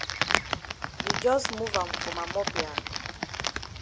You jus move am for ma mop ya.